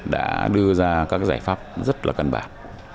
đã đưa ra các giải pháp rất là căn bản